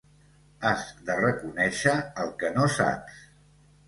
Has de reconèixer el que no saps